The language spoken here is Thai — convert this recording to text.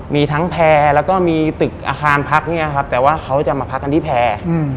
มีทั้งแพร่แล้วก็มีตึกอาคารพักเนี่ยครับแต่ว่าเขาจะมาพักกันที่แพร่